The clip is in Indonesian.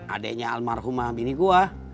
adeknya almarhumah bini gua